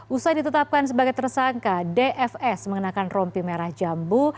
usai ditetapkan sebagai tersangka dfs mengenakan rompi merah jambu